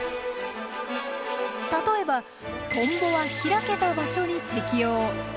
例えばトンボは開けた場所に適応。